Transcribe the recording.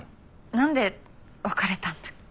なんで別れたんだっけ？